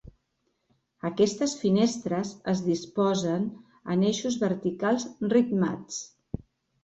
Aquestes finestres es disposen en eixos verticals ritmats.